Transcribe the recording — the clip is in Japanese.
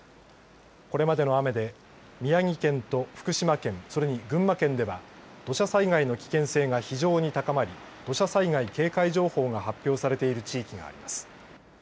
これまでの雨で宮城県と福島県それに群馬県では土砂災害の危険性が非常に高まり土砂災害警戒情報が発表されている地域があります。